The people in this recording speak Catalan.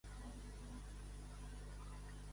Vine? Vine tu i tot serà u.